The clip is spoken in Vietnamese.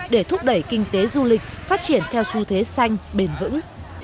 để thúc đẩy kinh tế du lịch phát triển theo xu thế xanh bền vững